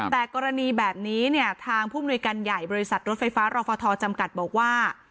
แต่กรณีแบบนี้เนี่ยทางผู้มนุยการใหญ่บริษัทรถไฟฟ้ารฟทจำกัดบอกว่า